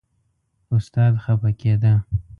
استاد خپه کېده.